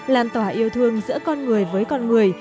làn tỏa yêu thương giữa con người với con người